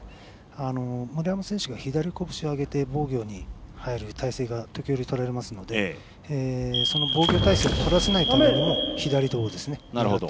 村山選手が左こぶしを上げて防御に入る体勢が時折とられるのでその防御態勢をとらせないためにも左胴を狙って。